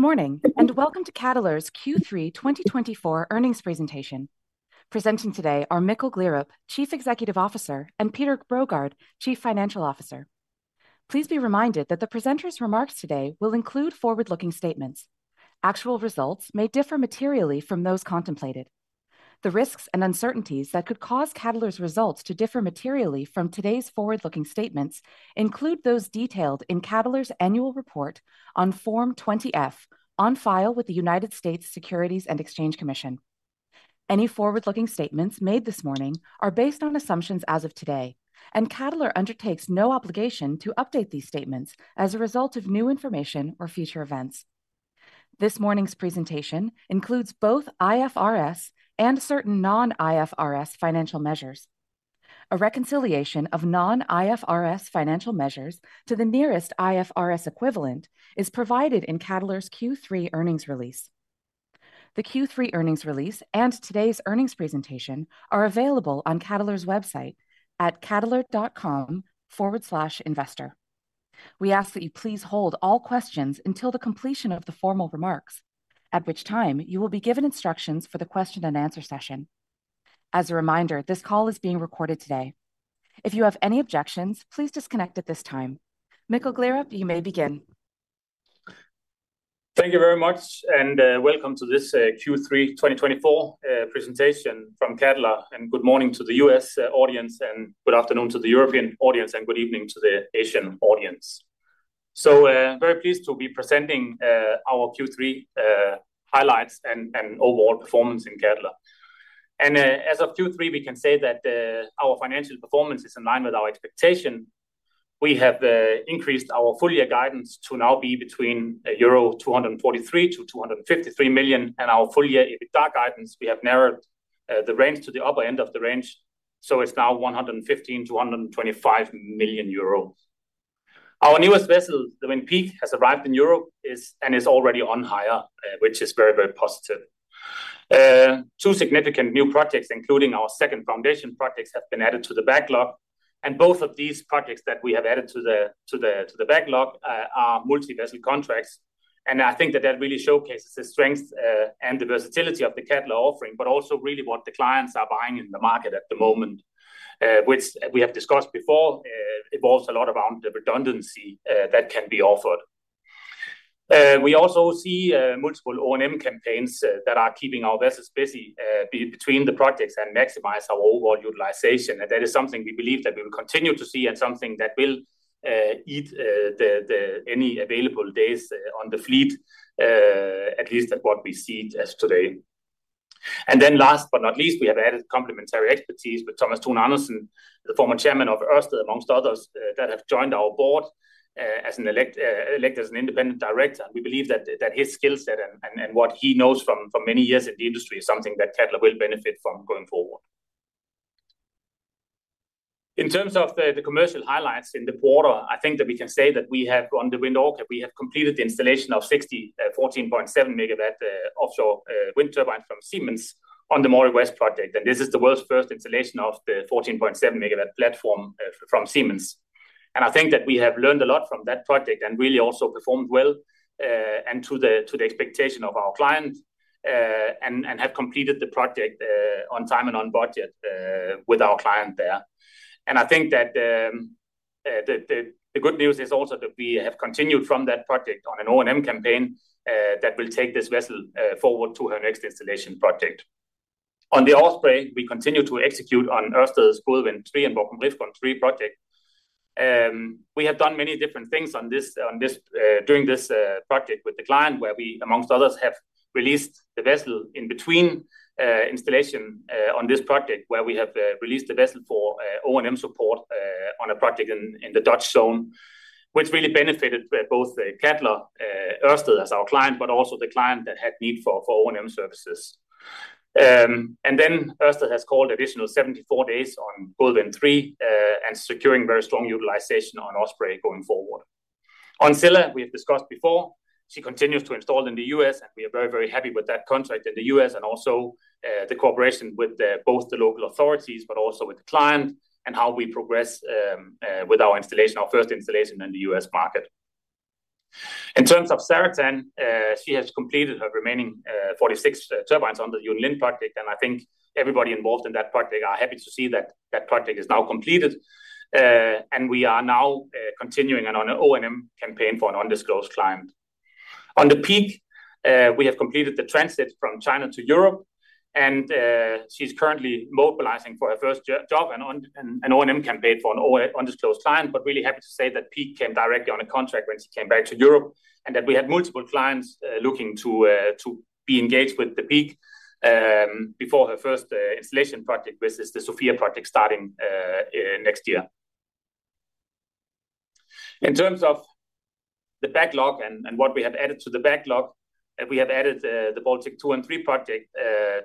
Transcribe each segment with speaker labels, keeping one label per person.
Speaker 1: Good morning, and welcome to Cadeler's Q3 2024 Earnings Presentation. Presenting today are Mikkel Gleerup, Chief Executive Officer, and Peter Brogaard, Chief Financial Officer. Please be reminded that the presenters' remarks today will include forward-looking statements. Actual results may differ materially from those contemplated. The risks and uncertainties that could cause Cadeler's results to differ materially from today's forward-looking statements include those detailed in Cadeler's Annual Report on Form 20-F on file with the United States Securities and Exchange Commission. Any forward-looking statements made this morning are based on assumptions as of today, and Cadeler undertakes no obligation to update these statements as a result of new information or future events. This morning's presentation includes both IFRS and certain non-IFRS financial measures. A reconciliation of non-IFRS financial measures to the nearest IFRS equivalent is provided in Cadeler's Q3 earnings release. The Q3 earnings release and today's earnings presentation are available on Cadeler's website at cadeler.com/investor. We ask that you please hold all questions until the completion of the formal remarks, at which time you will be given instructions for the question-and-answer session. As a reminder, this call is being recorded today. If you have any objections, please disconnect at this time. Mikkel Gleerup, you may begin.
Speaker 2: Thank you very much, and welcome to this Q3 2024 presentation from Cadeler. And good morning to the U.S. audience, and good afternoon to the European audience, and good evening to the Asian audience. So very pleased to be presenting our Q3 highlights and overall performance in Cadeler. And as of Q3, we can say that our financial performance is in line with our expectation. We have increased our full-year guidance to now be between euro 243 to 253 million, and our full-year EBITDA guidance, we have narrowed the range to the upper end of the range, so it's now 115 to 125 million euros. Our newest vessel, the Wind Peak, has arrived in Europe and is already on hire, which is very, very positive. Two significant new projects, including our second foundation project, have been added to the backlog, and both of these projects that we have added to the backlog are multi-vessel contracts. And I think that that really showcases the strength and the versatility of the Cadeler offering, but also really what the clients are buying in the market at the moment, which we have discussed before, involves a lot about the redundancy that can be offered. We also see multiple O&M campaigns that are keeping our vessels busy between the projects and maximize our overall utilization. And that is something we believe that we will continue to see and something that will eat any available days on the fleet, at least at what we see today. Then last but not least, we have added complementary expertise with Thomas Thune Andersen, the former chairman of Ørsted, among others that have joined our board as an elected independent director. We believe that his skill set and what he knows from many years in the industry is something that Cadeler will benefit from going forward. In terms of the commercial highlights in the quarter, I think that we can say that we have on the Wind Orca, we have completed the installation of 60 14.7 megawatt offshore wind turbines from Siemens on the Moray West project. This is the world's first installation of the 14.7 megawatt platform from Siemens. I think that we have learned a lot from that project and really also performed well and to the expectation of our client and have completed the project on time and on budget with our client there. I think that the good news is also that we have continued from that project on an O&M campaign that will take this vessel forward to her next installation project. On the Osprey, we continue to execute on Ørsted's Gode Wind 3 and Borkum Riffgrund 3 project. We have done many different things during this project with the client, where we, among others, have released the vessel in between installation on this project, where we have released the vessel for O&M support on a project in the Dutch zone, which really benefited both Cadeler and Ørsted as our client, but also the client that had need for O&M services. And then Ørsted has called additional 74 days on Gode Wind 3 and securing very strong utilization on Osprey going forward. On Scylla, we have discussed before. She continues to install in the U.S., and we are very, very happy with that contract in the U.S. and also the cooperation with both the local authorities, but also with the client and how we progress with our installation, our first installation in the U.S. market. In terms of Zaratan, she has completed her remaining 46 turbines under the Yunlin project, and I think everybody involved in that project is happy to see that that project is now completed. And we are now continuing on an O&M campaign for an undisclosed client. On the Wind Peak, we have completed the transit from China to Europe, and she's currently mobilizing for her first job and an O&M campaign for an undisclosed client, but really happy to say that Wind Peak came directly on a contract when she came back to Europe and that we had multiple clients looking to be engaged with the Wind Peak before her first installation project, which is the Sofia project starting next year. In terms of the backlog and what we have added to the backlog, we have added the Baltyk 2 and 3 project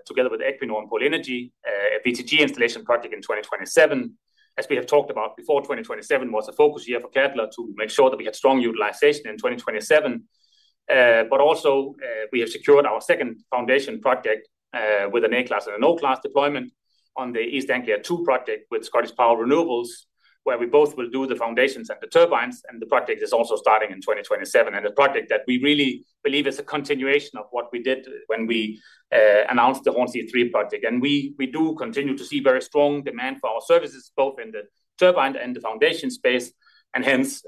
Speaker 2: together with Equinor and Polenergia, a WTG installation project in 2027. As we have talked about before, 2027 was a focus year for Cadeler to make sure that we had strong utilization in 2027. But also we have secured our second foundation project with an A-class and an O-class deployment on the East Anglia 2 project with ScottishPower Renewables, where we both will do the foundations and the turbines, and the project is also starting in 2027. And a project that we really believe is a continuation of what we did when we announced the Hornsea 3 project. And we do continue to see very strong demand for our services, both in the turbine and the foundation space, and hence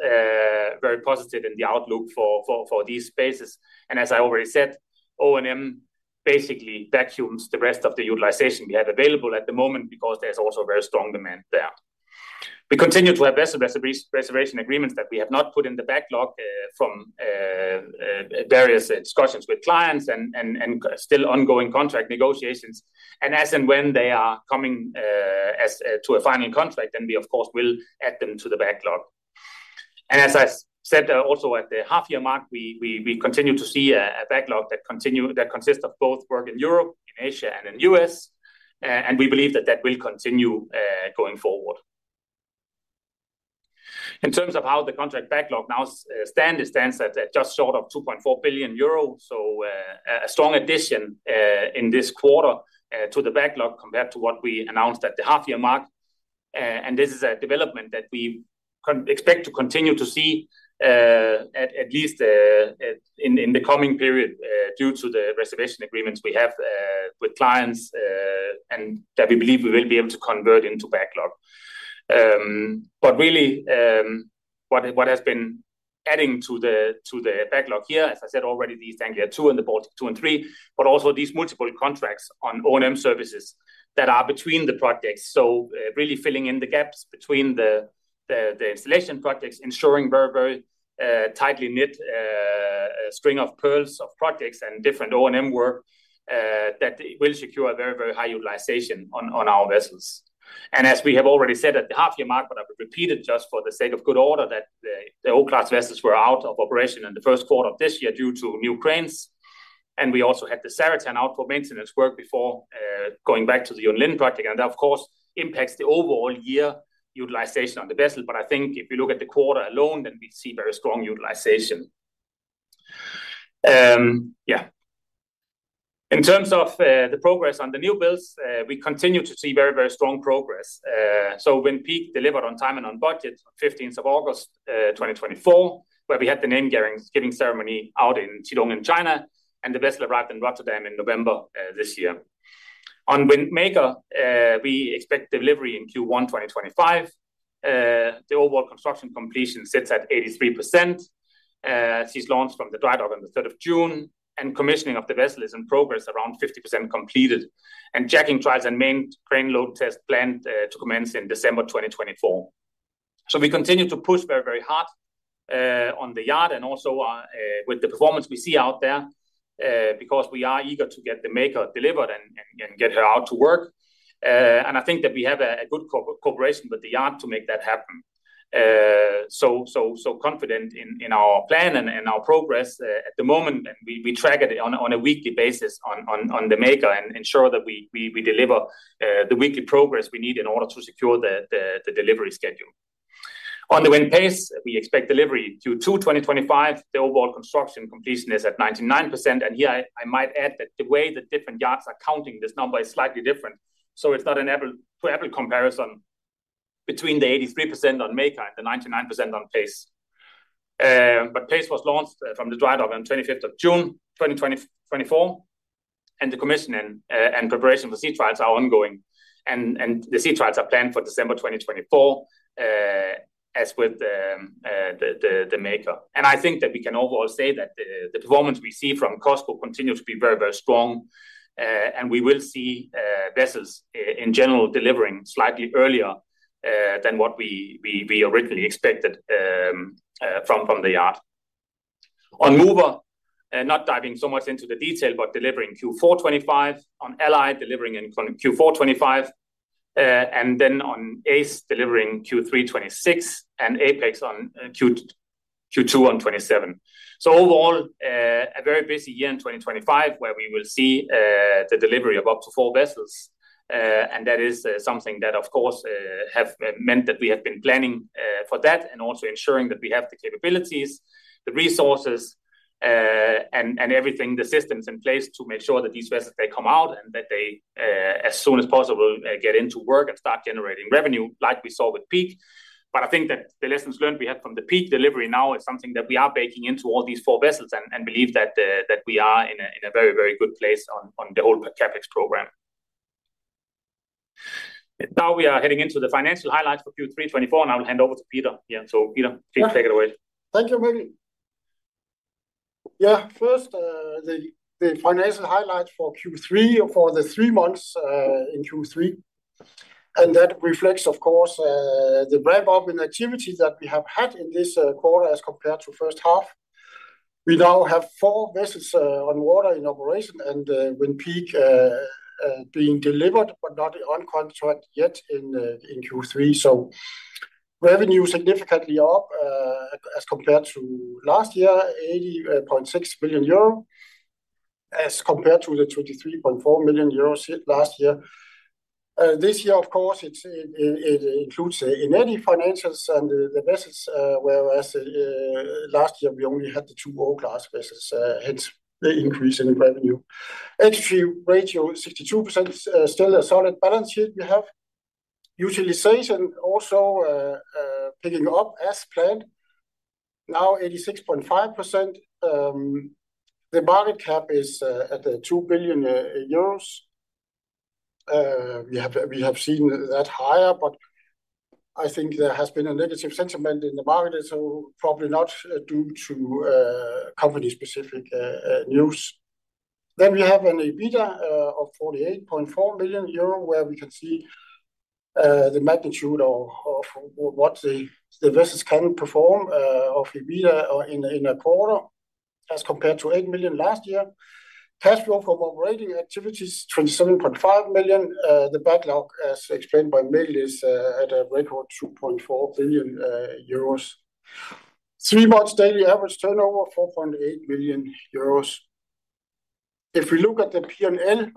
Speaker 2: very positive in the outlook for these spaces. And as I already said, O&M basically vacuums the rest of the utilization we have available at the moment because there's also very strong demand there. We continue to have vessel reservation agreements that we have not put in the backlog from various discussions with clients and still ongoing contract negotiations. As and when they are coming to a final contract, then we, of course, will add them to the backlog. As I said, also at the half-year mark, we continue to see a backlog that consists of both work in Europe, in Asia, and in the U.S. We believe that that will continue going forward. In terms of how the contract backlog now stands, it stands at just short of 2.4 billion euros, so a strong addition in this quarter to the backlog compared to what we announced at the half-year mark. This is a development that we expect to continue to see at least in the coming period due to the reservation agreements we have with clients and that we believe we will be able to convert into backlog. But really, what has been adding to the backlog here, as I said already, the East Anglia 2 and the Baltyk 2 and 3, but also these multiple contracts on O&M services that are between the projects, so really filling in the gaps between the installation projects, ensuring very, very tightly knit string of pearls of projects and different O&M work that will secure very, very high utilization on our vessels. And as we have already said at the half-year mark, but I would repeat it just for the sake of good order that the O-class vessels were out of operation in the first quarter of this year due to new cranes. And we also had the Zaratan out for maintenance work before going back to the Yunlin project, and that, of course, impacts the overall year utilization on the vessel. But I think if you look at the quarter alone, then we see very strong utilization. Yeah. In terms of the progress on the new builds, we continue to see very, very strong progress. So Wind Peak delivered on time and on budget on 15th of August 2024, where we had the name-giving ceremony out in Qidong, in China, and the vessel arrived in Rotterdam in November this year. On Wind Maker, we expect delivery in Q1 2025. The overall construction completion sits at 83%. She's launched from the dry dock on the 3rd of June, and commissioning of the vessel is in progress, around 50% completed, and jacking trials and main crane load test planned to commence in December 2024. So we continue to push very, very hard on the yard and also with the performance we see out there because we are eager to get the maker delivered and get her out to work. And I think that we have a good cooperation with the yard to make that happen. So confident in our plan and our progress at the moment, and we track it on a weekly basis on the maker and ensure that we deliver the weekly progress we need in order to secure the delivery schedule. On the Wind Pace, we expect delivery Q2 2025. The overall construction completion is at 99%. And here I might add that the way the different yards are counting this number is slightly different. So it's not an apple-to-apple comparison between the 83% on maker and the 99% on pace. But Wind Pace was launched from the dry dock on 25th of June 2024, and the commission and preparation for sea trials are ongoing, and the sea trials are planned for December 2024, as with the Wind Maker. And I think that we can overall say that the performance we see from COSCO continues to be very, very strong, and we will see vessels in general delivering slightly earlier than what we originally expected from the yard. On Wind Mover, not diving so much into the detail, but delivering Q4 2025, on Wind Ally delivering in Q4 2025, and then on Wind Ace delivering Q3 2026, and Wind Apex on Q2 2027. So overall, a very busy year in 2025 where we will see the delivery of up to four vessels. That is something that, of course, has meant that we have been planning for that and also ensuring that we have the capabilities, the resources, and everything, the systems in place to make sure that these vessels, they come out and that they, as soon as possible, get into work and start generating revenue like we saw with Peak. But I think that the lessons learned we had from the Peak delivery now is something that we are baking into all these four vessels and believe that we are in a very, very good place on the whole CapEx program. Now we are heading into the financial highlights for Q3 2024, and I will hand over to Peter. Yeah, so Peter, please take it away.
Speaker 3: Thank you, Maggie. Yeah, first, the financial highlights for Q3, for the three months in Q3. And that reflects, of course, the ramp-up in activity that we have had in this quarter as compared to first half. We now have four vessels on water in operation and Wind Peak being delivered, but not on contract yet in Q3. So revenue significantly up as compared to last year, 80.6 billion euro, as compared to the 23.4 million euros last year. This year, of course, it includes in any financials and the vessels, whereas last year we only had the two O-class vessels, hence the increase in revenue. Equity ratio 62%, still a solid balance sheet we have. Utilization also picking up as planned, now 86.5%. The market cap is at 2 billion euros. We have seen that higher, but I think there has been a negative sentiment in the market, so probably not due to company-specific news. Then we have an EBITDA of 48.4 million euro, where we can see the magnitude of what the vessels can perform of EBITDA in a quarter as compared to 8 million last year. Cash flow from operating activities, 27.5 million. The backlog, as explained by Mikkel, is at a record 2.4 billion euros. Three months daily average turnover, 4.8 million euros. If we look at the P&L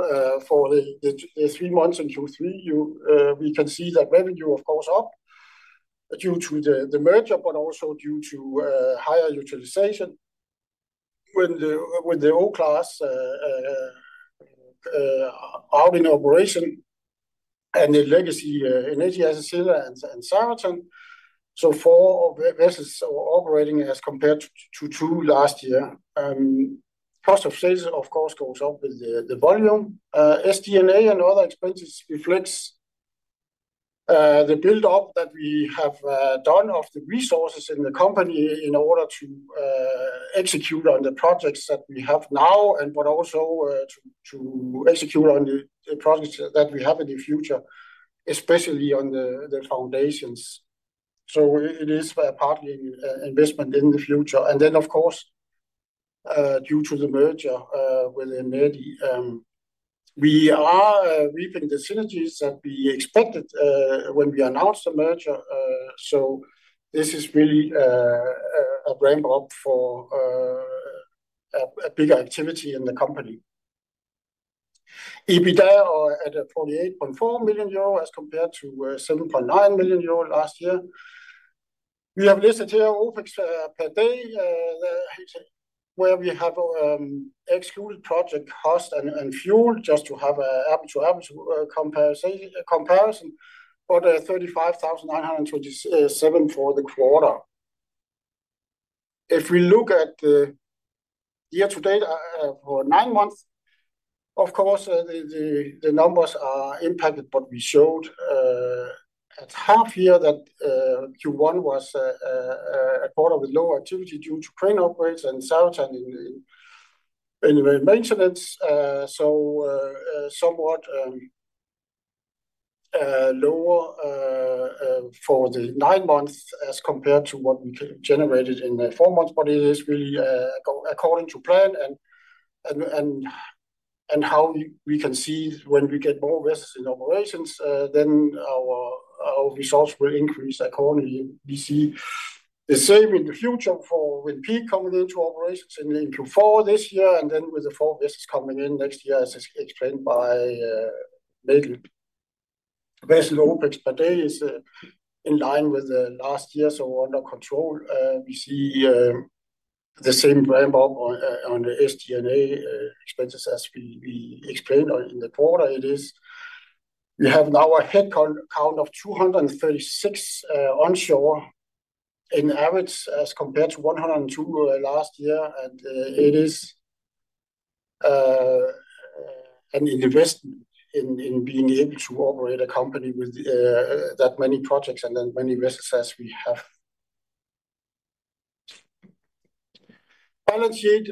Speaker 3: for the three months in Q3, we can see that revenue, of course, up due to the merger, but also due to higher utilization with the O-class out in operation and the legacy Eneti as a Wind Scylla and Wind Zaratan. So four vessels operating as compared to two last year. Cost of sales, of course, goes up with the volume. SG&A and other expenses reflects the build-up that we have done of the resources in the company in order to execute on the projects that we have now, but also to execute on the projects that we have in the future, especially on the foundations. It is partly an investment in the future. Then, of course, due to the merger with Eneti, we are reaping the synergies that we expected when we announced the merger. This is really a ramp-up for a bigger activity in the company. EBITDA at 48.4 million euro as compared to 7.9 million euro last year. We have listed here OpEx per day, where we have excluded project cost and fuel just to have an apple to apple comparison, but 35,927 for the quarter. If we look at the year-to-date for nine months, of course, the numbers are impacted, but we showed at half year that Q1 was a quarter with lower activity due to crane operations and Wind Zaratan in maintenance, so somewhat lower for the nine months as compared to what we generated in four months, but it is really according to plan, and how we can see when we get more vessels in operations, then our results will increase accordingly. We see the same in the future for Wind Peak coming into operations in Q4 this year, and then with the four vessels coming in next year, as explained by Mikkel. Vessel OpEx per day is in line with last year, so under control. We see the same ramp-up on the SG&A expenses as we explained in the quarter. It is we have now a headcount of 236 onshore in average as compared to 102 last year, and it is an investment in being able to operate a company with that many projects and then many vessels as we have. Balance sheet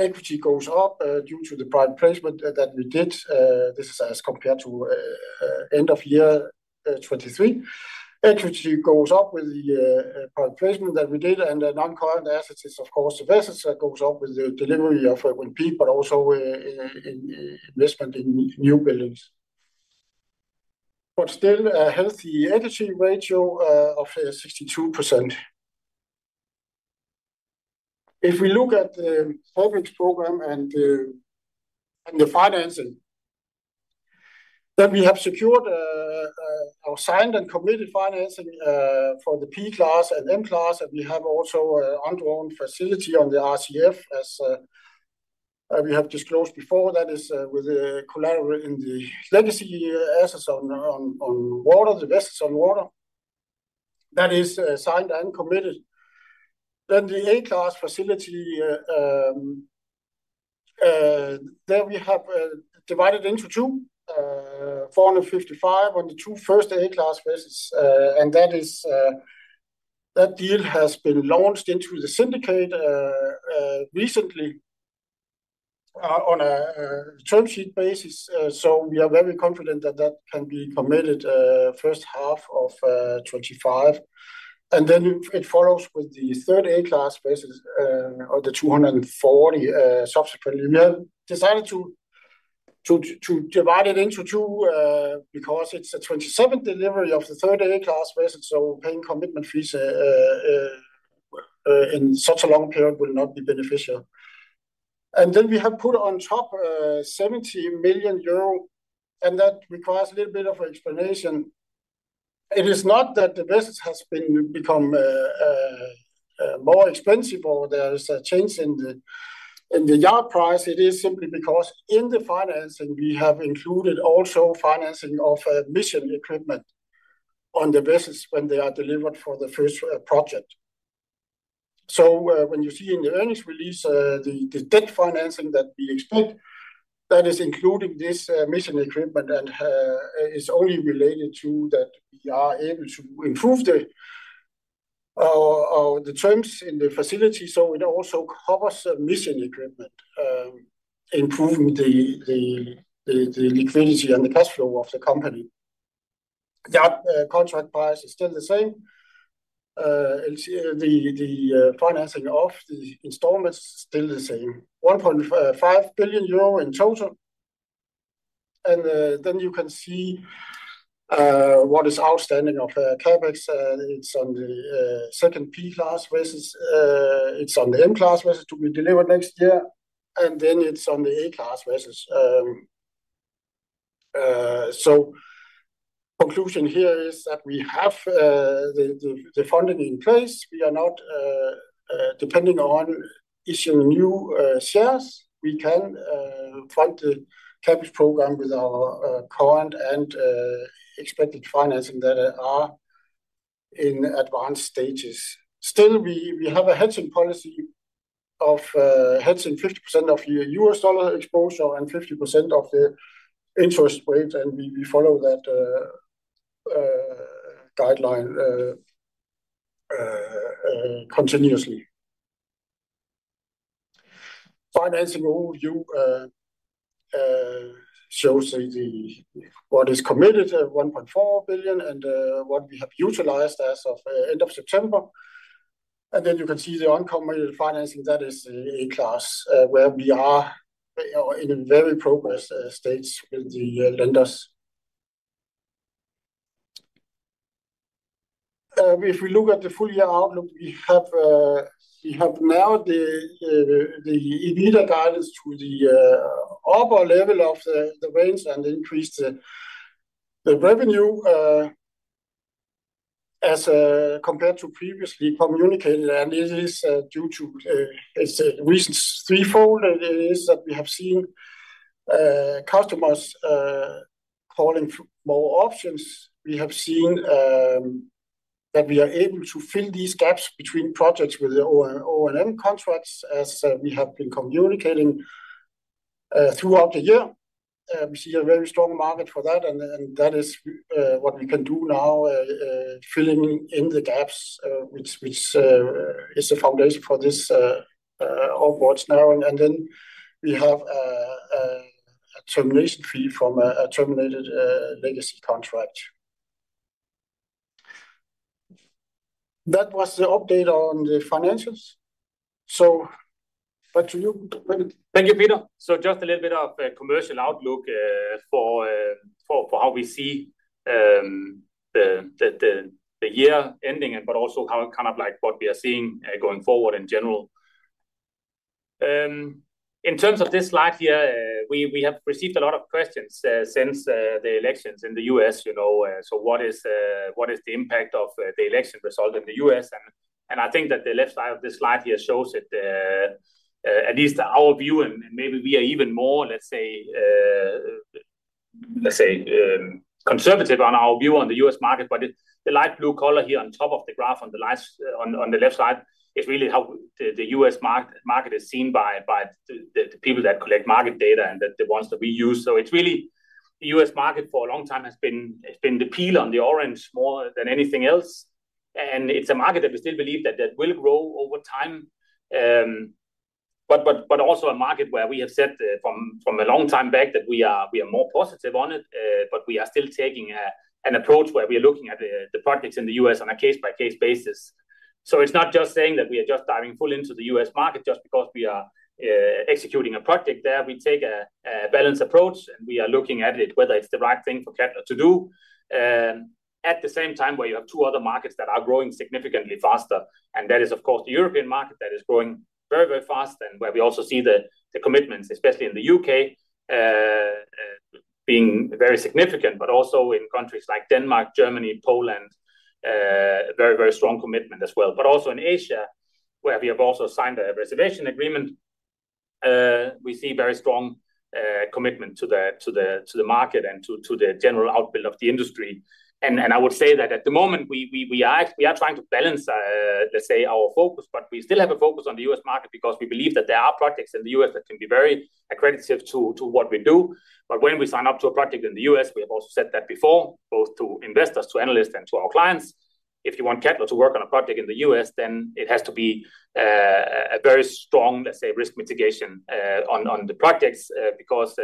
Speaker 3: equity goes up due to the private placement that we did. This is as compared to end of year 2023. Equity goes up with the private placement that we did, and the non-current assets is, of course, the vessels that goes up with the delivery of Wind Peak, but also investment in new buildings. But still a healthy equity ratio of 62%. If we look at the program and the financing, then we have secured our signed and committed financing for the P-class and M-class, and we have also an undrawn facility on the RCF, as we have disclosed before. That is with the collateral in the legacy assets on water, the vessels on water. That is signed and committed, then the A-class facility, there we have divided into two, 455 million on the two first A-class vessels, and that deal has been launched into the syndicate recently on a term sheet basis, so we are very confident that that can be committed first half of 2025, and then it follows with the third A-class vessels or the 240 million subsequently. We have decided to divide it into two because it's a 2027 delivery of the third A-class vessels, so paying commitment fees in such a long period will not be beneficial, and then we have put on top 70 million euro, and that requires a little bit of explanation. It is not that the vessels have become more expensive or there is a change in the yard price. It is simply because in the financing, we have included also financing of mission equipment on the vessels when they are delivered for the first project. So when you see in the earnings release, the debt financing that we expect that is including this mission equipment and is only related to that we are able to improve the terms in the facility. So it also covers mission equipment, improving the liquidity and the cash flow of the company. The contract price is still the same. The financing of the installments is still the same, 1.5 billion euro in total. And then you can see what is outstanding of CapEx. It's on the second P-class vessels. It's on the M-class vessels to be delivered next year, and then it's on the A-class vessels. So conclusion here is that we have the funding in place. We are not depending on issuing new shares. We can fund the CapEx program with our current and expected financing that are in advanced stages. Still, we have a hedging policy of hedging 50% of the U.S. dollar exposure and 50% of the interest rate, and we follow that guideline continuously. Financing overview shows what is committed, 1.4 billion, and what we have utilized as of end of September. And then you can see the oncoming financing that is the A-class, where we are in a very progress stage with the lenders. If we look at the full year outlook, we have now the EBITDA guidance to the upper level of the range and increased the revenue as compared to previously communicated. And it is due to its recent threefold. It is that we have seen customers calling for more options. We have seen that we are able to fill these gaps between projects with the O&M contracts as we have been communicating throughout the year. We see a very strong market for that, and that is what we can do now, filling in the gaps, which is the foundation for this upward narrowing, and then we have a termination fee from a terminated legacy contract. That was the update on the financials, so back to you.
Speaker 2: Thank you, Peter. So just a little bit of a commercial outlook for how we see the year ending, but also kind of like what we are seeing going forward in general. In terms of this slide here, we have received a lot of questions since the elections in the U.S. So what is the impact of the election result in the U.S.? And I think that the left side of this slide here shows it, at least our view, and maybe we are even more, let's say, conservative on our view on the U.S. market. But the light blue color here on top of the graph on the left side is really how the U.S. market is seen by the people that collect market data and the ones that we use. It's really the U.S. market for a long time has been the peel on the orange more than anything else. It's a market that we still believe that will grow over time, but also a market where we have said from a long time back that we are more positive on it, but we are still taking an approach where we are looking at the projects in the U.S. on a case-by-case basis. It's not just saying that we are just diving full into the U.S. market just because we are executing a project there. We take a balanced approach, and we are looking at it, whether it's the right thing for Cadeler to do. At the same time, where you have two other markets that are growing significantly faster, and that is, of course, the European market that is growing very, very fast, and where we also see the commitments, especially in the UK, being very significant, but also in countries like Denmark, Germany, Poland, very, very strong commitment as well. But also in Asia, where we have also signed a reservation agreement, we see very strong commitment to the market and to the general build-out of the industry. And I would say that at the moment, we are trying to balance, let's say, our focus, but we still have a focus on the US market because we believe that there are projects in the US that can be very attractive to what we do. But when we sign up to a project in the U.S., we have also said that before, both to investors, to analysts, and to our clients. If you want Cadeler to work on a project in the U.S., then it has to be a very strong, let's say, risk mitigation on the projects because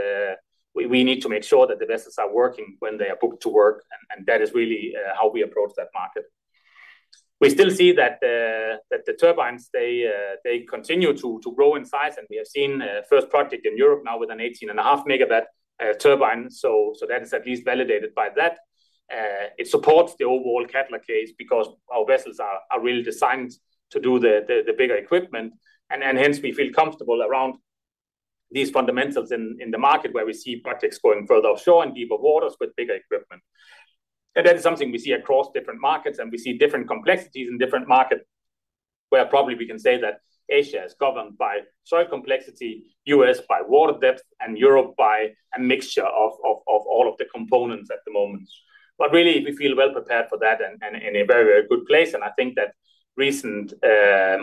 Speaker 2: we need to make sure that the vessels are working when they are booked to work, and that is really how we approach that market. We still see that the turbines, they continue to grow in size, and we have seen a first project in Europe now with an 18.5-megawatt turbine. So that is at least validated by that. It supports the overall Cadeler case because our vessels are really designed to do the bigger equipment, and hence we feel comfortable around these fundamentals in the market where we see projects going further offshore and deeper waters with bigger equipment. And that is something we see across different markets, and we see different complexities in different markets where probably we can say that Asia is governed by soil complexity, U.S. by water depth, and Europe by a mixture of all of the components at the moment. But really, we feel well prepared for that and in a very, very good place. And I think that recent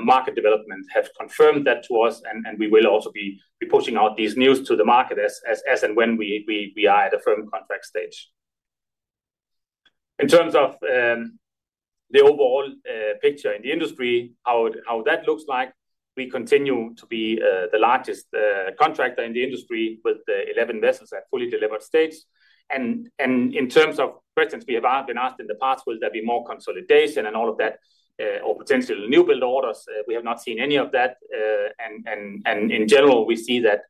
Speaker 2: market developments have confirmed that to us, and we will also be pushing out these news to the market as and when we are at a firm contract stage. In terms of the overall picture in the industry, how that looks like, we continue to be the largest contractor in the industry with the 11 vessels at fully delivered stage. And in terms of questions we have been asked in the past, will there be more consolidation and all of that or potential new build orders? We have not seen any of that. And in general, we see that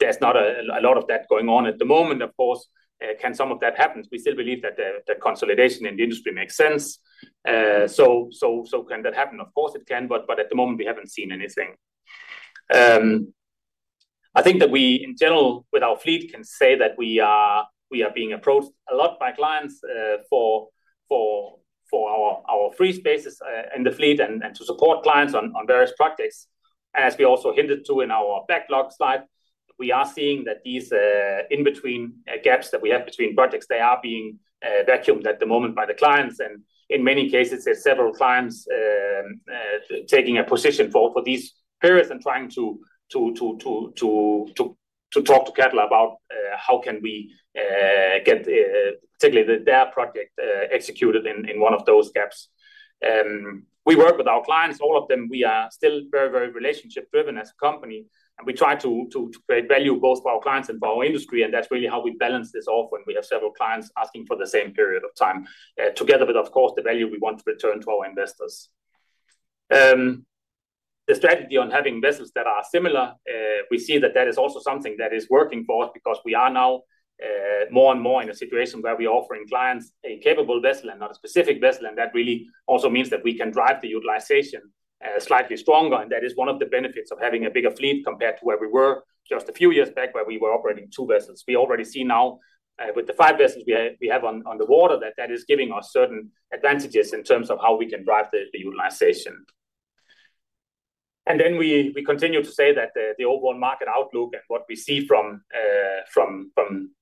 Speaker 2: there's not a lot of that going on at the moment. Of course, can some of that happen? We still believe that consolidation in the industry makes sense. So can that happen? Of course, it can, but at the moment, we haven't seen anything. I think that we, in general, with our fleet, can say that we are being approached a lot by clients for our free spaces in the fleet and to support clients on various projects. As we also hinted to in our backlog slide, we are seeing that these in-between gaps that we have between projects, they are being vacuumed at the moment by the clients. And in many cases, there are several clients taking a position for these periods and trying to talk to Cadeler about how can we get particularly their project executed in one of those gaps. We work with our clients. All of them, we are still very, very relationship-driven as a company, and we try to create value both for our clients and for our industry. And that's really how we balance this off when we have several clients asking for the same period of time together with, of course, the value we want to return to our investors. The strategy on having vessels that are similar, we see that that is also something that is working for us because we are now more and more in a situation where we are offering clients a capable vessel and not a specific vessel. And that really also means that we can drive the utilization slightly stronger. And that is one of the benefits of having a bigger fleet compared to where we were just a few years back where we were operating two vessels. We already see now with the five vessels we have on the water that that is giving us certain advantages in terms of how we can drive the utilization. We continue to say that the overall market outlook and what we see from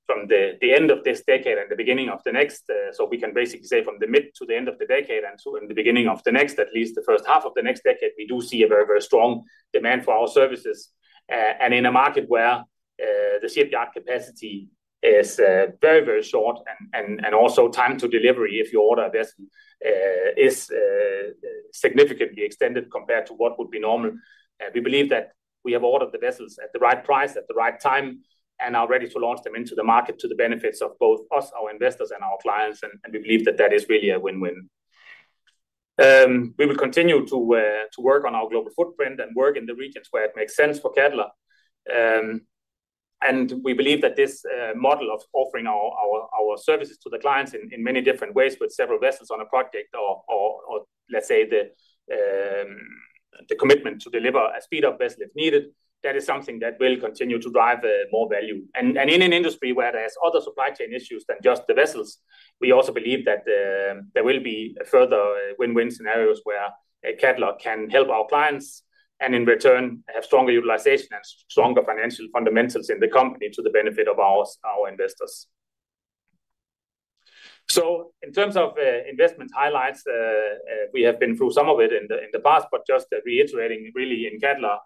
Speaker 2: the end of this decade and the beginning of the next, so we can basically say from the mid to the end of the decade and to the beginning of the next, at least the first half of the next decade, we do see a very, very strong demand for our services. In a market where the shipyard capacity is very, very short and also time to delivery, if you order a vessel, is significantly extended compared to what would be normal. We believe that we have ordered the vessels at the right price, at the right time, and are ready to launch them into the market to the benefits of both us, our investors, and our clients. We believe that that is really a win-win. We will continue to work on our global footprint and work in the regions where it makes sense for Cadeler. And we believe that this model of offering our services to the clients in many different ways with several vessels on a project or, let's say, the commitment to deliver an S-class vessel if needed, that is something that will continue to drive more value. And in an industry where there are other supply chain issues than just the vessels, we also believe that there will be further win-win scenarios where Cadeler can help our clients and in return have stronger utilization and stronger financial fundamentals in the company to the benefit of our investors. So in terms of investment highlights, we have been through some of it in the past, but just reiterating really in Cadeler,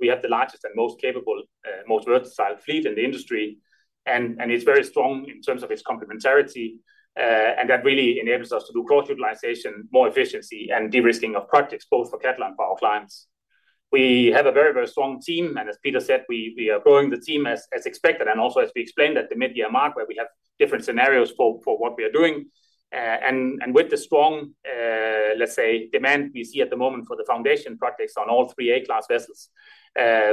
Speaker 2: we have the largest and most capable, most versatile fleet in the industry. It's very strong in terms of its complementarity. That really enables us to do cross-utilization, more efficiency, and de-risking of projects both for Cadeler and for our clients. We have a very, very strong team. As Peter said, we are growing the team as expected and also as we explained at the mid-year mark where we have different scenarios for what we are doing. With the strong, let's say, demand we see at the moment for the foundation projects on all three A-class vessels,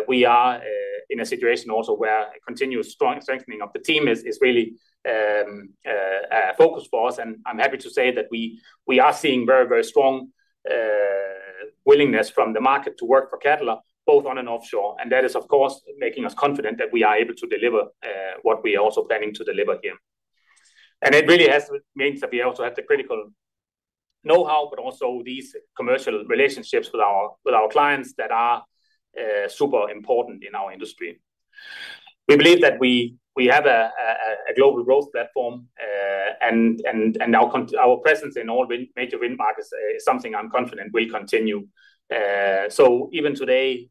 Speaker 2: we are in a situation also where continuous strengthening of the team is really a focus for us. I'm happy to say that we are seeing very, very strong willingness from the market to work for Cadeler, both on and offshore. And that is, of course, making us confident that we are able to deliver what we are also planning to deliver here. And it really means that we also have the critical know-how, but also these commercial relationships with our clients that are super important in our industry. We believe that we have a global growth platform, and our presence in all major wind markets is something I'm confident will continue. So even today,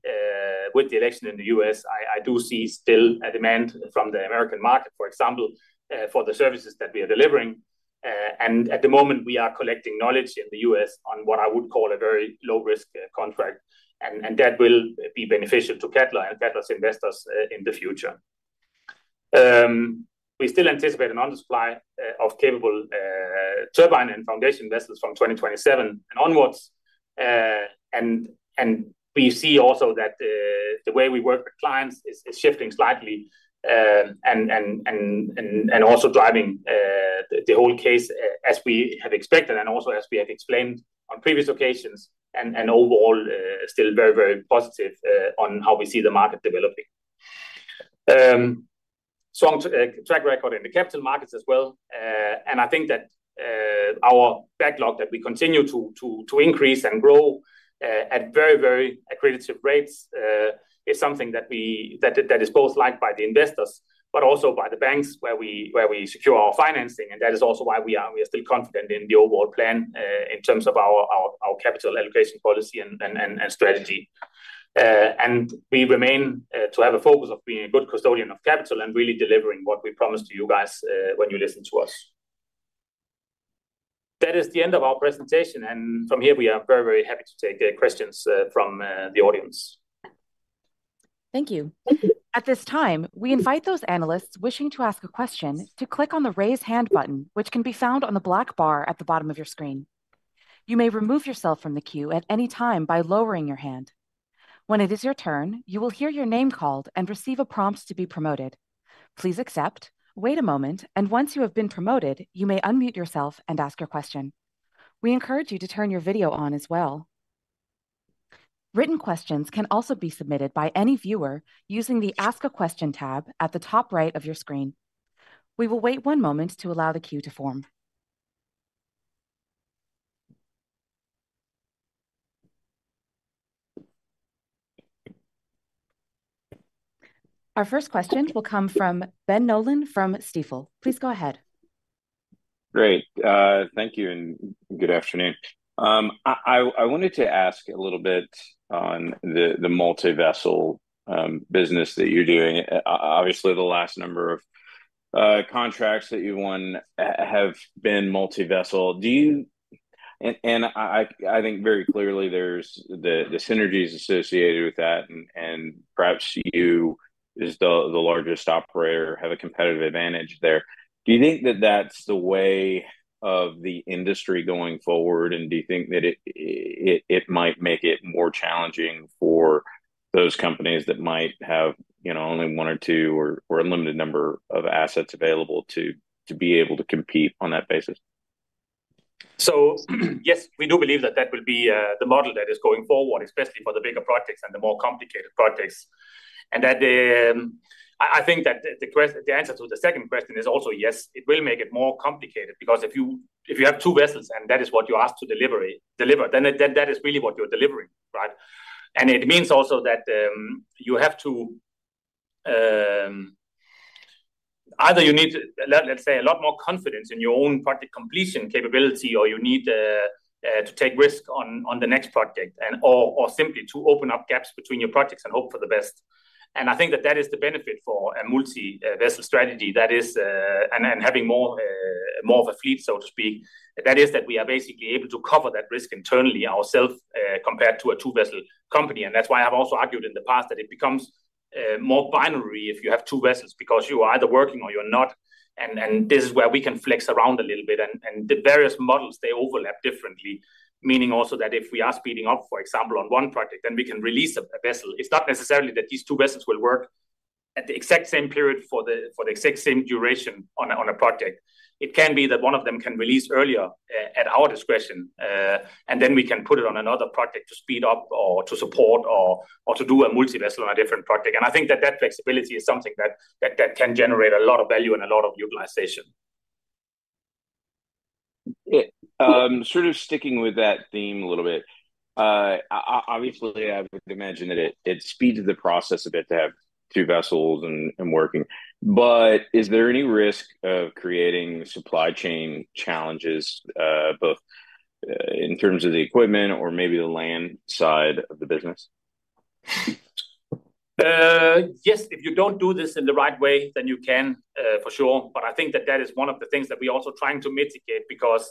Speaker 2: with the election in the U.S., I do see still a demand from the American market, for example, for the services that we are delivering. And at the moment, we are collecting knowledge in the U.S. on what I would call a very low-risk contract. And that will be beneficial to Cadeler and Cadeler's investors in the future. We still anticipate an undersupply of capable turbine and foundation vessels from 2027 onward. And we see also that the way we work with clients is shifting slightly and also driving the whole case as we have expected and also as we have explained on previous occasions, and overall still very, very positive on how we see the market developing. Strong track record in the capital markets as well. And I think that our backlog that we continue to increase and grow at very, very accelerated rates is something that is both liked by the investors, but also by the banks where we secure our financing. And that is also why we are still confident in the overall plan in terms of our capital allocation policy and strategy. And we remain to have a focus of being a good custodian of capital and really delivering what we promised to you guys when you listen to us. That is the end of our presentation. And from here, we are very, very happy to take questions from the audience.
Speaker 1: Thank you. At this time, we invite those analysts wishing to ask a question to click on the raise hand button, which can be found on the black bar at the bottom of your screen. You may remove yourself from the queue at any time by lowering your hand. When it is your turn, you will hear your name called and receive a prompt to be promoted. Please accept, wait a moment, and once you have been promoted, you may unmute yourself and ask your question. We encourage you to turn your video on as well. Written questions can also be submitted by any viewer using the Ask a Question tab at the top right of your screen. We will wait one moment to allow the queue to form. Our first question will come from Ben Nolan, from Stifel. Please go ahead.
Speaker 4: Great. Thank you and good afternoon. I wanted to ask a little bit on the multi-vessel business that you're doing. Obviously, the last number of contracts that you've won have been multi-vessel. And I think very clearly there's the synergies associated with that, and perhaps you, as the largest operator, have a competitive advantage there. Do you think that that's the way of the industry going forward? And do you think that it might make it more challenging for those companies that might have only one or two or a limited number of assets available to be able to compete on that basis?
Speaker 2: So yes, we do believe that that will be the model that is going forward, especially for the bigger projects and the more complicated projects. And I think that the answer to the second question is also yes, it will make it more complicated because if you have two vessels and that is what you ask to deliver, then that is really what you're delivering, right? And it means also that you have to either you need, let's say, a lot more confidence in your own project completion capability, or you need to take risk on the next project or simply to open up gaps between your projects and hope for the best. And I think that that is the benefit for a multi-vessel strategy that is, and having more of a fleet, so to speak, that is that we are basically able to cover that risk internally ourselves compared to a two-vessel company. And that's why I've also argued in the past that it becomes more binary if you have two vessels because you are either working or you're not. And this is where we can flex around a little bit. And the various models, they overlap differently, meaning also that if we are speeding up, for example, on one project, then we can release a vessel. It's not necessarily that these two vessels will work at the exact same period for the exact same duration on a project. It can be that one of them can release earlier at our discretion, and then we can put it on another project to speed up or to support or to do a multi-vessel on a different project. And I think that that flexibility is something that can generate a lot of value and a lot of utilization.
Speaker 4: Sort of sticking with that theme a little bit, obviously, I would imagine that it speeds the process a bit to have two vessels and working. But is there any risk of creating supply chain challenges both in terms of the equipment or maybe the land side of the business?
Speaker 2: Yes, if you don't do this in the right way, then you can for sure. But I think that that is one of the things that we are also trying to mitigate because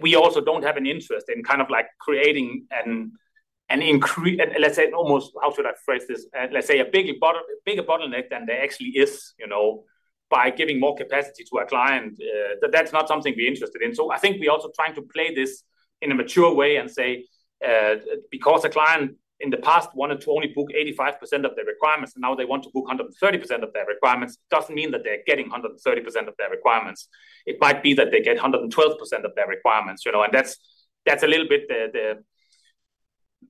Speaker 2: we also don't have an interest in kind of like creating an, let's say, almost, how should I phrase this? Let's say a bigger bottleneck than there actually is by giving more capacity to our client. That's not something we're interested in. So I think we're also trying to play this in a mature way and say, because a client in the past wanted to only book 85% of their requirements, and now they want to book 130% of their requirements, it doesn't mean that they're getting 130% of their requirements. It might be that they get 112% of their requirements. That's a little bit,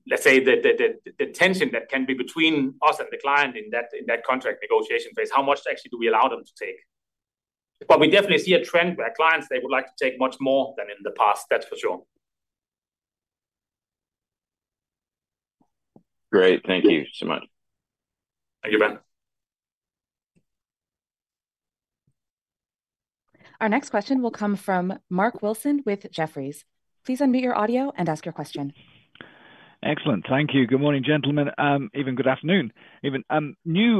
Speaker 2: let's say, the tension that can be between us and the client in that contract negotiation phase, how much actually do we allow them to take. We definitely see a trend where clients, they would like to take much more than in the past, that's for sure.
Speaker 4: Great. Thank you so much.
Speaker 2: Thank you, Ben.
Speaker 1: Our next question will come from Mark Wilson with Jefferies. Please unmute your audio and ask your question.
Speaker 5: Excellent. Thank you. Good morning, gentlemen. Or even good afternoon. Now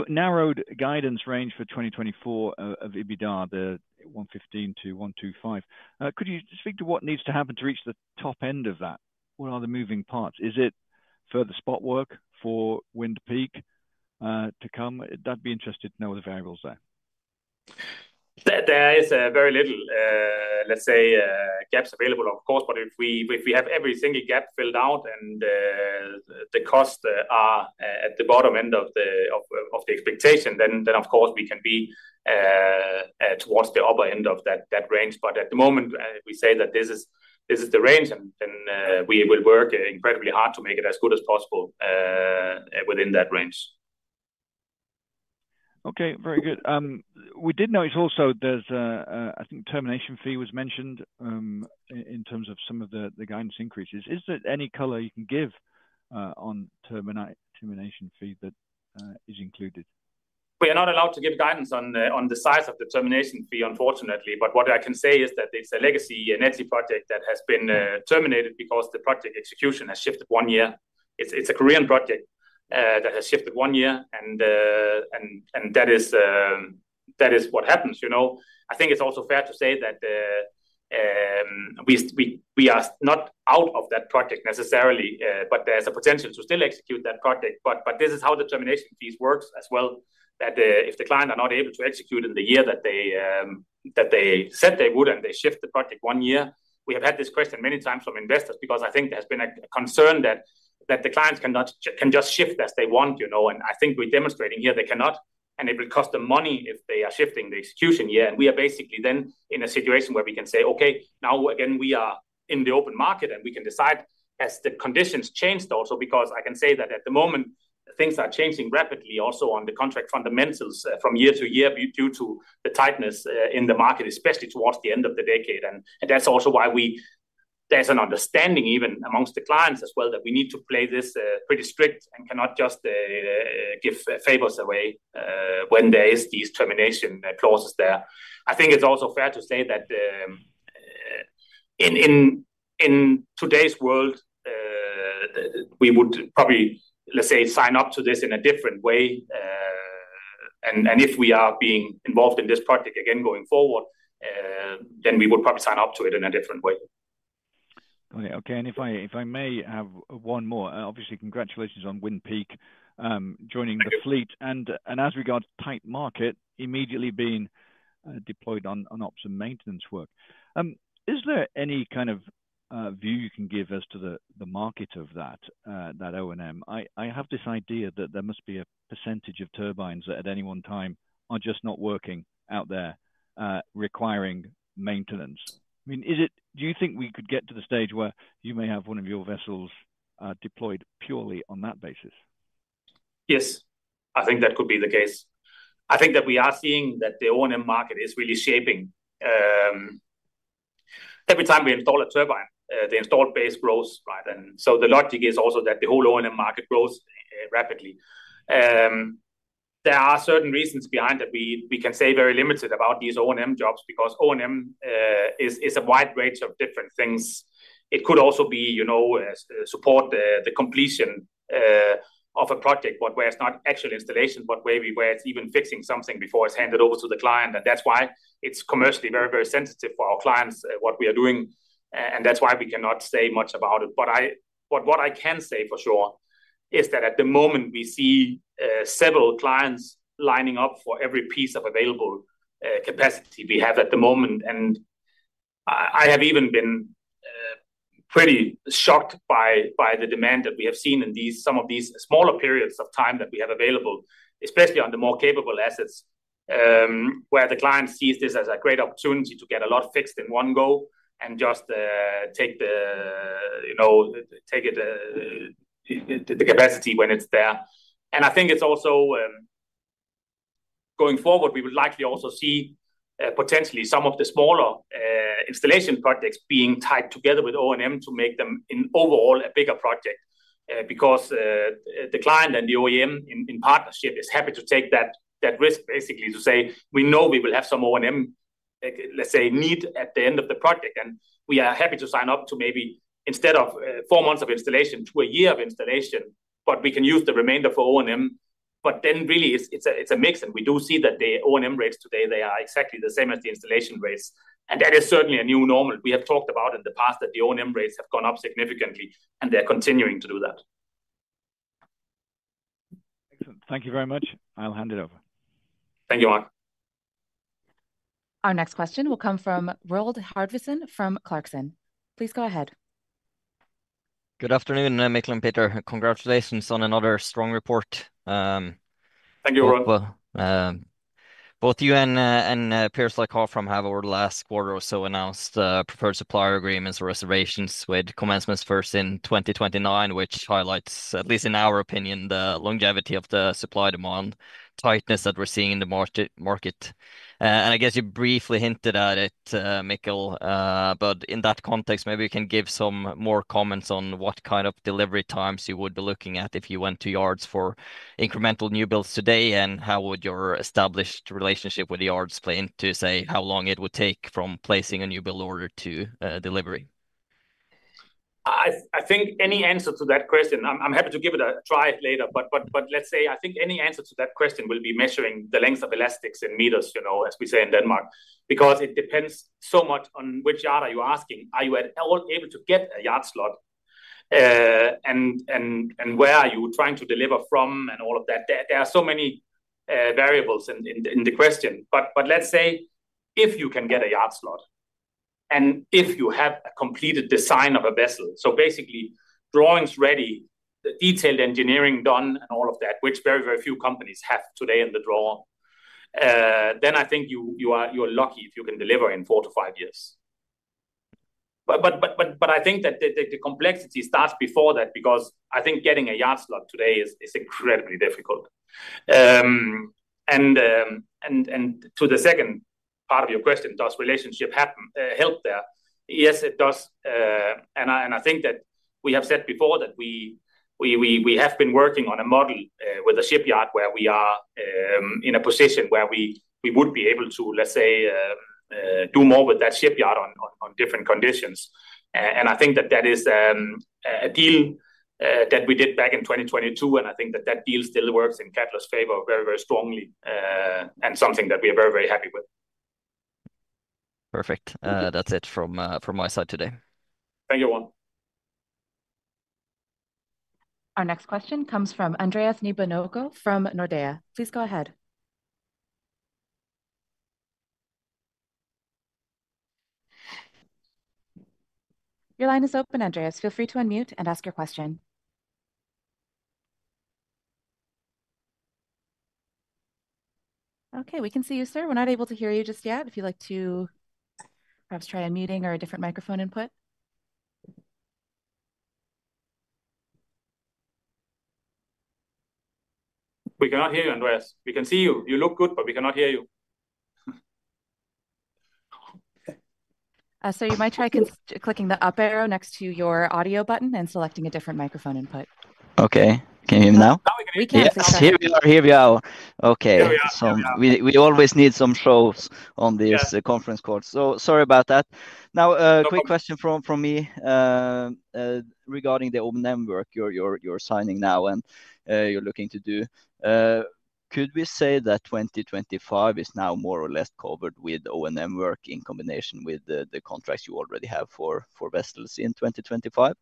Speaker 5: narrowed guidance range for 2024 of EBITDA, the 115-125. Could you speak to what needs to happen to reach the top end of that? What are the moving parts? Is it further spot work for Wind Peak to come? I'd be interested to know the variables there.
Speaker 2: There is very little, let's say, gaps available, of course, but if we have every single gap filled out and the costs are at the bottom end of the expectation, then of course we can be towards the upper end of that range. But at the moment, we say that this is the range, and we will work incredibly hard to make it as good as possible within that range.
Speaker 5: Okay. Very good. We did notice also there's, I think, termination fee was mentioned in terms of some of the guidance increases. Is there any color you can give on termination fee that is included?
Speaker 2: We are not allowed to give guidance on the size of the termination fee, unfortunately, but what I can say is that it's a legacy Eneti project that has been terminated because the project execution has shifted one year. It's a Korean project that has shifted one year, and that is what happens. I think it's also fair to say that we are not out of that project necessarily, but there's a potential to still execute that project, but this is how the termination fees work as well, that if the client are not able to execute in the year that they said they would and they shift the project one year, we have had this question many times from investors because I think there has been a concern that the clients can just shift as they want. And I think we're demonstrating here they cannot, and it will cost them money if they are shifting the execution year. And we are basically then in a situation where we can say, okay, now again, we are in the open market and we can decide as the conditions change also, because I can say that at the moment, things are changing rapidly also on the contract fundamentals from year to year due to the tightness in the market, especially towards the end of the decade. And that's also why there's an understanding even amongst the clients as well that we need to play this pretty strict and cannot just give favors away when there are these termination clauses there. I think it's also fair to say that in today's world, we would probably, let's say, sign up to this in a different way. If we are being involved in this project again going forward, then we would probably sign up to it in a different way.
Speaker 5: Okay. And if I may have one more, obviously, congratulations on Wind Peak joining the fleet. And as regards tight market, immediately being deployed on ops and maintenance work, is there any kind of view you can give as to the market of that O&M? I have this idea that there must be a percentage of turbines that at any one time are just not working out there requiring maintenance. I mean, do you think we could get to the stage where you may have one of your vessels deployed purely on that basis?
Speaker 2: Yes. I think that could be the case. I think that we are seeing that the O&M market is really shaping. Every time we install a turbine, the installed base grows, right, and so the logic is also that the whole O&M market grows rapidly. There are certain reasons behind that, we can say very limited about these O&M jobs because O&M is a wide range of different things. It could also be support the completion of a project, but where it's not actual installation, but where it's even fixing something before it's handed over to the client. That's why it's commercially very, very sensitive for our clients what we are doing. That's why we cannot say much about it. But what I can say for sure is that at the moment, we see several clients lining up for every piece of available capacity we have at the moment. And I have even been pretty shocked by the demand that we have seen in some of these smaller periods of time that we have available, especially on the more capable assets, where the client sees this as a great opportunity to get a lot fixed in one go and just take the capacity when it's there. I think it's also going forward, we would likely also see potentially some of the smaller installation projects being tied together with O&M to make them in overall a bigger project because the client and the OEM in partnership is happy to take that risk basically to say, we know we will have some O&M, let's say, need at the end of the project. We are happy to sign up to maybe instead of four months of installation, two a year of installation, but we can use the remainder for O&M. Then really, it's a mix. We do see that the O&M rates today, they are exactly the same as the installation rates. That is certainly a new normal. We have talked about in the past that the O&M rates have gone up significantly, and they're continuing to do that.
Speaker 5: Excellent. Thank you very much. I'll hand it over.
Speaker 2: Thank you, Mark.
Speaker 1: Our next question will come from Roald Hartvigsen from Clarksons. Please go ahead.
Speaker 6: Good afternoon, Mikkel and Peter. Congratulations on another strong report.
Speaker 2: Thank you, Roald.
Speaker 6: Both you and peers like Havfram have over the last quarter or so announced preferred supplier agreements or reservations with commencements first in 2029, which highlights, at least in our opinion, the longevity of the supply demand tightness that we're seeing in the market. And I guess you briefly hinted at it, Mikkel, but in that context, maybe you can give some more comments on what kind of delivery times you would be looking at if you went to yards for incremental new builds today, and how would your established relationship with the yards play into, say, how long it would take from placing a new build order to delivery?
Speaker 2: I think any answer to that question, I'm happy to give it a try later, but let's say I think any answer to that question will be measuring the length of elastics in meters, as we say in Denmark, because it depends so much on which yard are you asking. Are you at all able to get a yard slot? And where are you trying to deliver from and all of that? There are so many variables in the question. But let's say if you can get a yard slot and if you have a completed design of a vessel, so basically drawings ready, detailed engineering done, and all of that, which very, very few companies have today in the drawer, then I think you are lucky if you can deliver in four-to-five years. I think that the complexity starts before that because I think getting a yard slot today is incredibly difficult. To the second part of your question, does relationship help there? Yes, it does. I think that we have said before that we have been working on a model with a shipyard where we are in a position where we would be able to, let's say, do more with that shipyard on different conditions. I think that that is a deal that we did back in 2022. I think that that deal still works in Cadeler's favor very, very strongly, and something that we are very, very happy with.
Speaker 6: Perfect. That's it from my side today.
Speaker 2: Thank you, Roald.
Speaker 1: Our next question comes from Andreas Nibe Nygård from Nordea. Please go ahead. Your line is open, Andreas. Feel free to unmute and ask your question. Okay. We can see you, sir. We're not able to hear you just yet. If you'd like to perhaps try unmuting or a different microphone input.
Speaker 2: We can't hear you, Andreas. We can see you. You look good, but we cannot hear you.
Speaker 1: So you might try clicking the up arrow next to your audio button and selecting a different microphone input.
Speaker 7: Okay. Can you hear me now?
Speaker 1: We can't see you.
Speaker 7: Here we are. Okay. So we always have some issues on this conference call. So sorry about that. Now, a quick question from me regarding the O&M work you're signing now and you're looking to do. Could we say that 2025 is now more or less covered with O&M work in combination with the contracts you already have for vessels in 2025?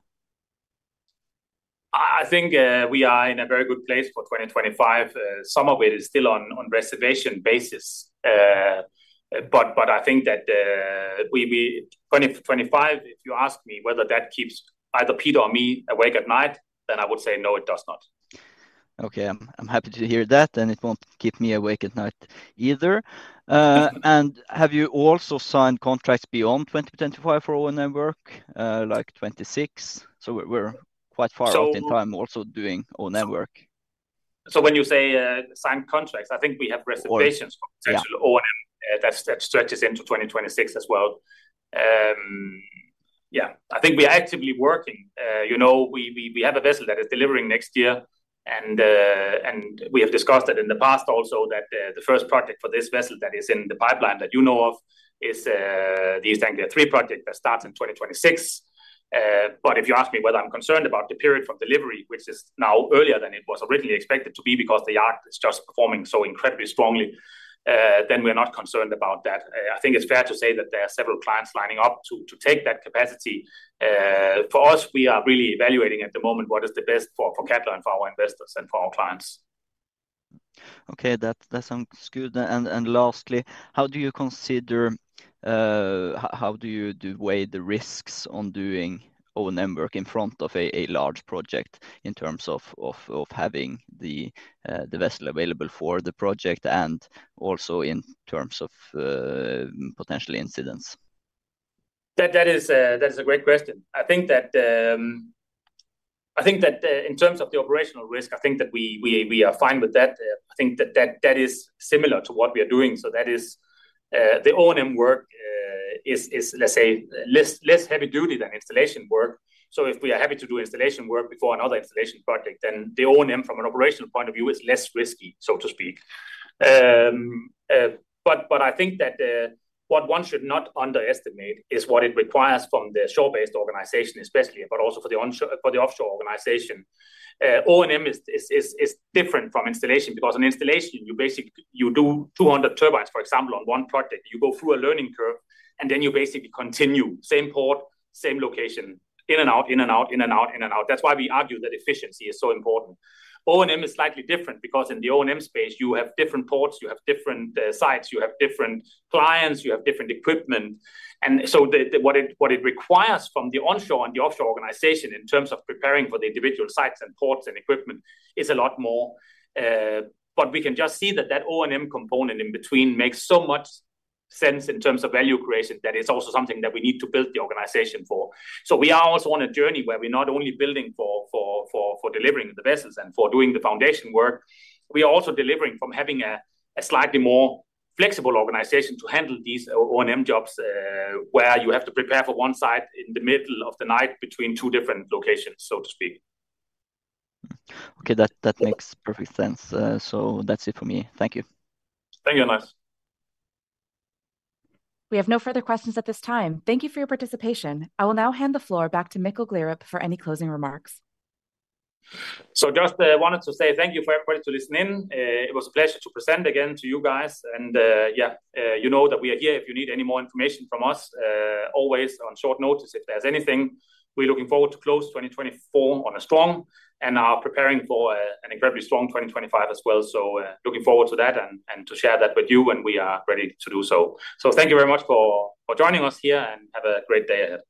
Speaker 2: I think we are in a very good place for 2025. Some of it is still on reservation basis, but I think that 2025, if you ask me whether that keeps either Peter or me awake at night, then I would say no, it does not.
Speaker 7: Okay. I'm happy to hear that. And it won't keep me awake at night either. And have you also signed contracts beyond 2025 for O&M work, like 2026? So we're quite far out in time also doing O&M work.
Speaker 2: When you say signed contracts, I think we have reservations for potential O&M that stretches into 2026 as well. Yeah. I think we are actively working. We have a vessel that is delivering next year. We have discussed that in the past also, that the first project for this vessel that is in the pipeline that you know of is the East Anglia THREE project that starts in 2026. If you ask me whether I'm concerned about the period from delivery, which is now earlier than it was originally expected to be because the yard is just performing so incredibly strongly, then we are not concerned about that. I think it's fair to say that there are several clients lining up to take that capacity. For us, we are really evaluating at the moment what is the best for Cadeler and for our investors and for our clients.
Speaker 7: Okay. That sounds good. And lastly, how do you weigh the risks on doing O&M work in front of a large project in terms of having the vessel available for the project and also in terms of potential incidents?
Speaker 2: That is a great question. I think that in terms of the operational risk, I think that we are fine with that. I think that that is similar to what we are doing. So that is the O&M work is, let's say, less heavy-duty than installation work. So if we are happy to do installation work before another installation project, then the O&M from an operational point of view is less risky, so to speak. But I think that what one should not underestimate is what it requires from the shore-based organization, especially, but also for the offshore organization. O&M is different from installation because in installation, you do 200 turbines, for example, on one project. You go through a learning curve, and then you basically continue, same port, same location, in and out, in and out, in and out, in and out. That's why we argue that efficiency is so important. O&M is slightly different because in the O&M space, you have different ports, you have different sites, you have different clients, you have different equipment, and so what it requires from the onshore and the offshore organization in terms of preparing for the individual sites and ports and equipment is a lot more, but we can just see that that O&M component in between makes so much sense in terms of value creation that it's also something that we need to build the organization for, so we are also on a journey where we're not only building for delivering the vessels and for doing the foundation work. We are also delivering from having a slightly more flexible organization to handle these O&M jobs where you have to prepare for one site in the middle of the night between two different locations, so to speak.
Speaker 7: Okay. That makes perfect sense. So that's it for me. Thank you.
Speaker 2: Thank you, Andreas.
Speaker 1: We have no further questions at this time. Thank you for your participation. I will now hand the floor back to Mikkel Gleerup for any closing remarks.
Speaker 2: So just wanted to say thank you for everybody to listen in. It was a pleasure to present again to you guys. And yeah, you know that we are here if you need any more information from us, always on short notice if there's anything. We're looking forward to close 2024 on a strong and are preparing for an incredibly strong 2025 as well. So looking forward to that and to share that with you, and we are ready to do so. So thank you very much for joining us here and have a great day ahead.